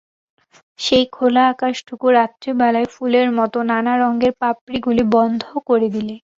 সেই খোলা আকাশটুকু, রাত্রিবেলায় ফুলের মতো, নানা রঙের পাপড়িগুলি বন্ধ করে দিলে।